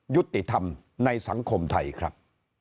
ยุติธรรมในสังคมไทยครับ